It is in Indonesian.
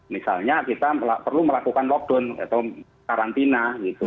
misalnya kita perlu melakukan lockdown atau karantina gitu